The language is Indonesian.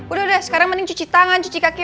udah deh sekarang mending cuci tangan cuci kaki